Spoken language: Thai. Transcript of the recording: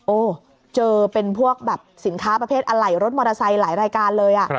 เจอเป็นพวกแบบสินค้าประเภทอะไหล่รถมอเตอร์ไซค์หลายรายการเลย